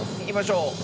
いきましょう。